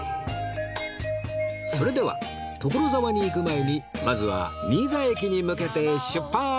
それでは所沢に行く前にまずは新座駅に向けて出発！